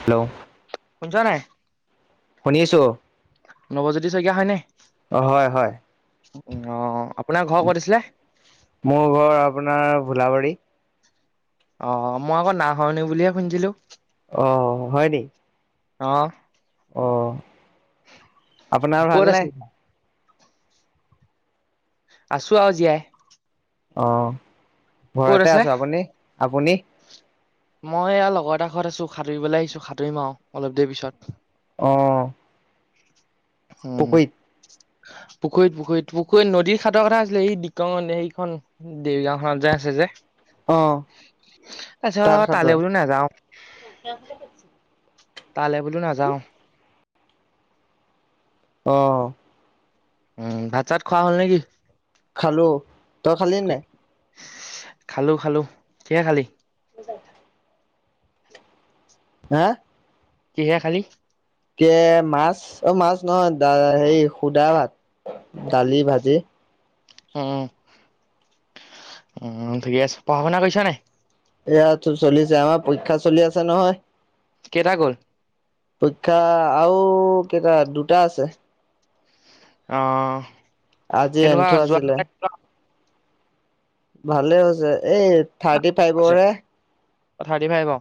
Hello? শুনিছ নাই? শুনিছো নৱজ্যোতি শইকীয়া হয়নে? অ হয় হয় উম, অঁ। আপ মোৰ ঘৰ আপোনাৰ ভোলাবাৰী। অ', মই আকৌ নাহৰনি বুলিহে শুনিছিলো। অ', হয় নি? অহ। অঁ। আপোনাৰ ক'ত ভাল নে? আছে? আছো আৰু জীয়াই। অ, ক'ত ঘৰতে আছে? আছো। আপুনি, আপুনি? মই এয়া লগৰ এটা ঘৰত আছো, সাঁতুৰিবলৈ আহিছো। সাঁতুৰিম আৰু অলপ দেৰি পিছত। আহ। উম। পুখুৰীত পুখুৰীত পুখুৰীত নদীৰ খাতৰ কথা আছিলে এই সেইখন দেউৰগাওঁখনত যে আছে যে। অ তাৰ তাত পিছত সাঁতোৰা তালৈ বলো নাযাওঁ। তালে বোলো নাযাওঁ। আহ। উম, ভাত চাত খোৱা হ'ল নেকি? খালো, তই খালি নাই? খালো, খালো। কিহে খালি? [unintelligible] হে? কিহে খালি? এ মাছ। অ', মাছ নহয়, হেৰি সুদা ভাত। ডালি ভাজি। উ, উম, ঠিকে আছে, পঢ়া শুনা কৰিছা নাই? এয়া চো চলিছে আমাৰ পৰীক্ষা চলি আছে নহয়। কেইটা গ'ল? পৰীক্ষা আৰু কেইটা দুটা আছে। অ' আজি কেনেকুৱা এন্ঠু আছিলে যোৱবিলাক ভালে হৈছে এই থাৰ্টি ফাইভৰ হে অ' থাৰ্টি ফাইভ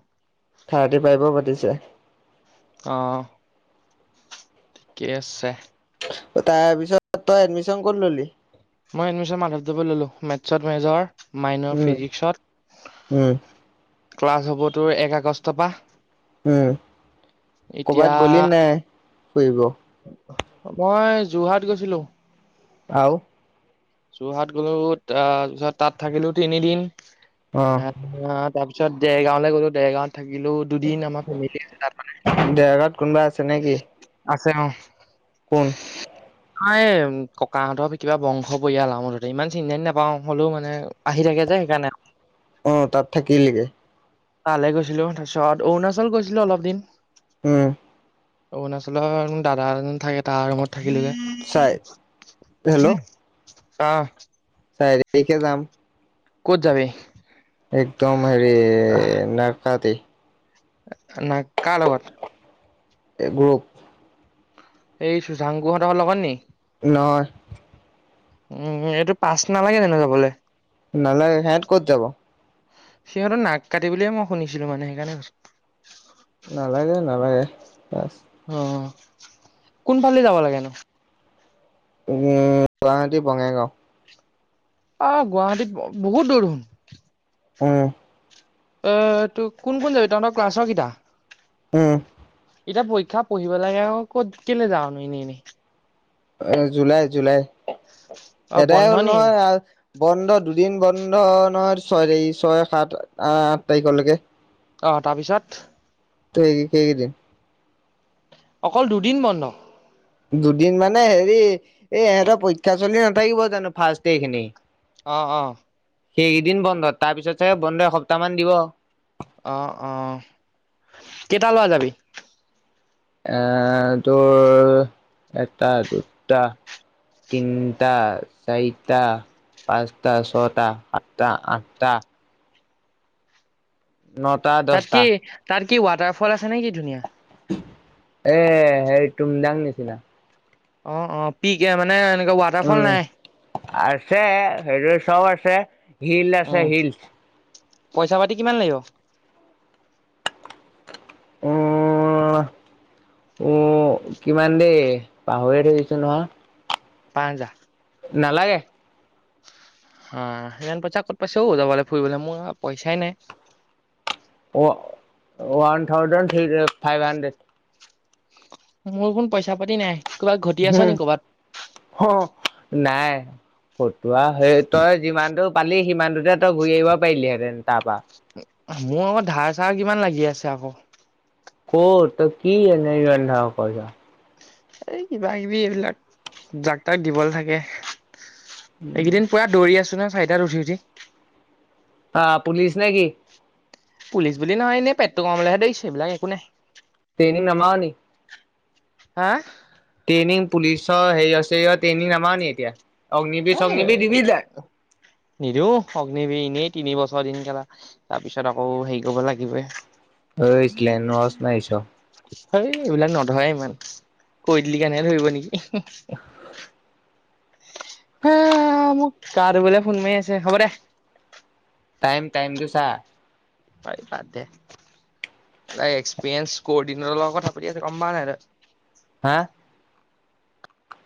থাৰ্টি ফাইভৰ পাতিছে। অ' ঠিকেই আছে। তাৰ পিছত তই এডমিশ্যন ক'ত ললি? মই এডমিশ্যন মাধৱদৱত ললো মেথছত মেজৰ। মাইনৰ উম, উম, ফিজিক্সত ক্লাছ হবতো এক আগষ্টৰ পৰা। উম, এতিয়া কৰ'বাত গ'লে নাই ফুৰিব? মই যোৰহাট গৈছিলো। আহও যোৰহাট গলোঁ ত পিছত তাত থাকিলো তিনিদিন অ', আহ তাৰপিছ তাৰিছত দেৰগাঁৱলৈ গ'লো দেৰগাঁৱত থাকিলো দুদিন আমাৰ ফেমিলি আছে তাত মানে তেনেকি আছে, অ'। কোন? ন, ককাহঁতৰ কিবা বংশ পৰিয়ালা মুঠতে ইমান চিন্তি নাপাওঁ হ'লেও মানে আহি থাকে যে সেইকাৰণে। অ' তাত থাকিলি গে তালৈ গৈছিলো তাৰপিছত অৰুণাচল গৈছিলো অলপ দিন। উম। অৰুণাচলৰ দাদা এজন থাকে তাৰ ৰুমত থাকিলোগে চাই হেল্ল' আহ চাৰি তাৰিখে যাম। ক'ত যাবি। একদম হেৰি নাৰকাতি। নাই কাৰ লগত। এই গ্ৰুপ। এই চুচাংকুহঁতৰ লগত নিকি। নহয়। উম এইটো পাচ নালাগে ন নহলে যাবলৈ। নালাগে সিহঁত ক'ত যাব? সিহঁতো নাক কাটি বুলিয়ে মই শুনিছিলো মানে সেইকাৰণে কৈছো। নালাগে নালাগে। অ' কোনফালে যাব লাগে নো? উম গুৱাহাটী বঙাইগাঁও। অ' গুৱাহাটীত বহুত দূৰ দেখোন। উম। অ' তো কোন কোন যাবি তহঁতৰ ক্লাছৰ কেইটা উম। এতিয়া পৰীক্ষা পঢ়িব লাগে ক'ত কেলে যাৱনো এনেই এনেই। অ' জুলাই জুলাই অ আদায় বন্ধ হ'ল নি নহয় আহ। বন্ধ দুদিন বন্ধ নহয়, ছয় তাৰিখ ছয়, সাত, আ আঠ তাৰিখলৈকে। অ' তাৰপিছত। সেই কেইদিন। অকল দুদিন বন্ধ। দুদিন মানে হেৰি এই ইহঁতৰ পৰীক্ষা চলি নাথাকিব জানো ফাৰ্ষ্ট ইয়েৰ খিনি। অ' অ'। সেইকেইদিন বন্ধ তাৰ পিছত ছাগে বন্ধ এসপ্তাহ মান দিব। অ' অ' কেইটা ল'ৰা যাবি? এ, তোৰ এটা দুটা তিনটা, চাৰিটা পাঁচটা, ছয়টা, সাতটা, আঠটা নটা তাত দহটা। কি তাত কি ৱাটাৰ ফল আছে নে কি ধুনীয়া? এ হেৰি তুমজাং নিচিনা। অ' অ' পিকে মানে এনেকুৱা ৱাটাৰফল উম নাই। আছে হেৰি চব আছে হিল আছে উম হিলচ। পইচা পাতি কিমান লাগিব? উম উম কিমান দেই পাহৰি [unintelligible] নহয়। পাঁচ হাজাৰ? নালাগে। হা সিমান পইচা ক'ত পাইছও যাবলে ফুৰিবলে মোৰ পইচাই নাই। One thousand [unintelligible] five hundred. মোৰ কোন পইচা পাতি নাই কবাত ঘটি আছ ন কবাত? নাই। ফতুৱা সেই তই যিমানটো পালি সিমানটোতে তই ঘূৰি আহিব পাৰিলিহেঁতেন তাৰপৰা। মোৰ আগত ধাৰ চাৰ কিমান লাগি আছে আকৌ। ক'ত ত কি এনেই ৰন্ধা পইচা। এই কিবা কিবি এইবিলাক, জাক তাক দিবলৈ থাকে। এইকেইদিন পুৱা দৌৰি আছো ন চাইিদাত উঠি উঠি। আহ পুলিচ নে কি? পুলিচ বুলি নহয় এনে পেট্ৰ কমলেহে দেৰিছে এইবিলাক একো নাই। ি নম নেকি? হা? ্ৰেই পুলিচৰ হেৰি আছে ট্ৰেইনিং নামা ন নি এতিয়া? অগ্নিবীৰ অ' চগ্নিবীৰ দিবি নাই নিদ অগ্নিব নী তিনি বছৰ দিন খেলা তাৰ পিছত আকৌ হেৰি কৰিব লাগিবে। স এইবিলাক ন নয় ইমান কৈ দিলি কাৰণহে ধৰিব নেকি। হা মোক কাৰ বোলে ফোন মাৰি আছে হ'ব দে। টাইম টাইমতো চাহ। [unintelligible] এক্সৰিেঞ্চ কৰ্টৰ লগত কথা পাতি আছে গম পা নাই তই হা